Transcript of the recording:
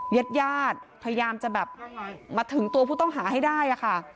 ญาติญาติพยายามจะแบบมาถึงตัวผู้ต้องหาให้ได้ค่ะ